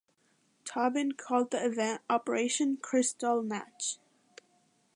Tobin called the event "Operation Kristallnacht".